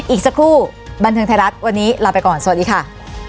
อีกสักครู่บันเทิงไทยรัฐวันนี้ลาไปก่อนสวัสดีค่ะ